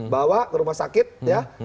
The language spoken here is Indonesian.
bawa ke rumah sakit ya